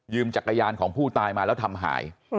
จักรยานของผู้ตายมาแล้วทำหาย